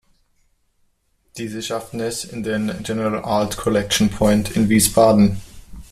Diese schafften es in den "General Art Collection Point" in Wiesbaden.